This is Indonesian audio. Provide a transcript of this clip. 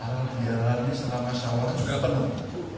alam liarannya selama syawal juga penuh